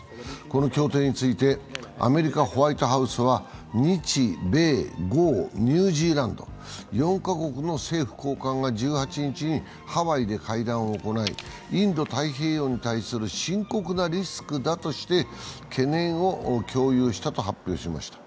この協定についてアメリカ・ホワイトハウスは日・米・豪、ニュージーランド４か国の政府高官が１８日にハワイで会談を行い、インド太平洋に対する深刻なリスクだとして懸念を共有したと発表しました。